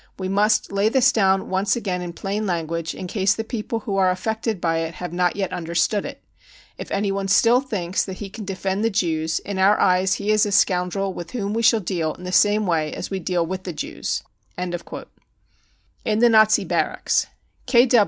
We must lay this down once again in plain language, in case the people who are affected by it have not yet understood it ... if anyone still thinks that he can defend the Jews, in our eyes he is a scoundrel with whom we shall deal in the same way as we deal with the Jews. 55 In the Nazi Barracks.